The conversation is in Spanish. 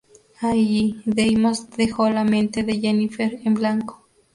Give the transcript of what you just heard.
Allí, Deimos dejó la mente de Jennifer en blanco.